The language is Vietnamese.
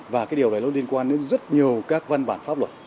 và cái điều đấy nó liên quan đến rất nhiều các văn bản pháp luật